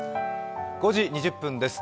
５時２０分です。